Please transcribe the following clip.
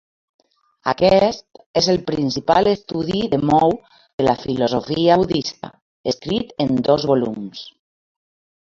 Aquest és el principal estudi de Mou de la filosofia budista, escrit en dos volums.